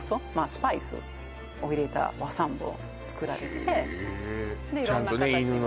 スパイスを入れた和三盆を作られてで色んな形にもできます